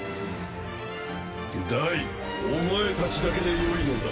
ダイお前たちだけでよいのだ。